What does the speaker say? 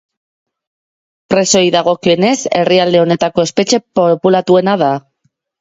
Presoei dagokionez herrialde honetako espetxe populatuena da.